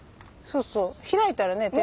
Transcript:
そうそう開いたらね